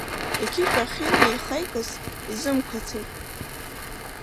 Иқьышә ахьынеихеикыз, изымқәацеит.